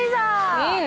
いいね。